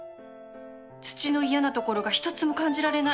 土の嫌なところが一つも感じられない